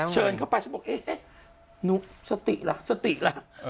เชิญเขาไปฉันบอกนุ๊กสติละสติละ